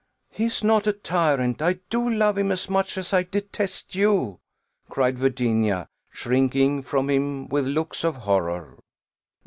"He is not a tyrant I do love him as much as I detest you," cried Virginia, shrinking from him with looks of horror.